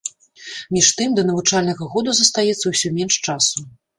Між тым, да навучальнага году застаецца ўсё менш часу.